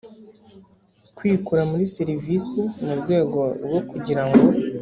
kwikura muri serivisi mu rwego rwo kugira ngo